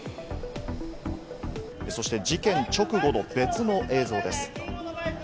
そして事件直後の別の映像です。